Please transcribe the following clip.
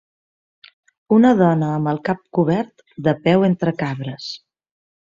Una dona amb el cap cobert, de peu entre cabres.